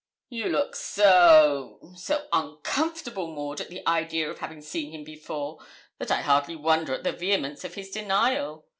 'You look so so uncomfortable, Maud, at the idea of having seen him before, that I hardly wonder at the vehemence of his denial.